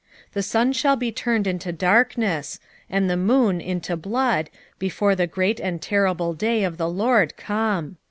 2:31 The sun shall be turned into darkness, and the moon into blood, before the great and terrible day of the LORD come.